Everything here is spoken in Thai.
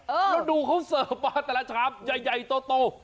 แล้วดูเขาเสิร์ฟมาแต่ละชามใหญ่โต